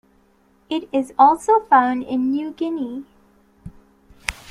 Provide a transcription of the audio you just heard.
It is also found in New Guinea.